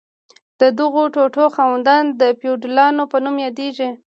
د دغو ټوټو خاوندان د فیوډالانو په نوم یادیدل.